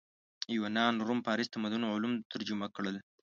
یونان روم فارس تمدنونو علوم ترجمه کړل